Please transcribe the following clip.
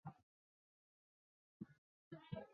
俄罗斯则支持其反对派对杜达耶夫进行军事打击。